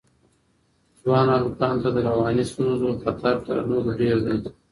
ځوانو هلکانو ته د رواني ستونزو خطر تر نورو ډېر دی.